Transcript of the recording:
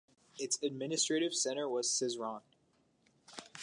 Its administrative centre was Syzran.